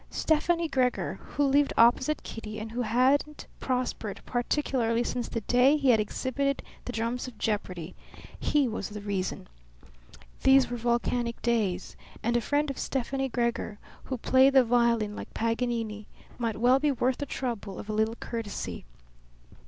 Stefani Gregor, who lived opposite Kitty and who hadn't prospered particularly since the day he had exhibited the drums of jeopardy he was the reason. These were volcanic days, and a friend of Stefani Gregor who played the violin like Paganini might well be worth the trouble of a little courtesy.